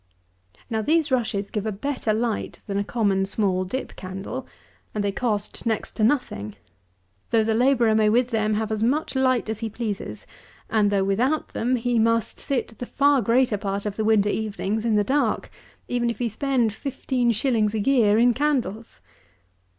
197. Now these rushes give a better light than a common small dip candle; and they cost next to nothing, though the labourer may with them have as much light as he pleases, and though, without them he must sit the far greater part of the winter evenings in the dark, even if he expend fifteen shillings a year in candles.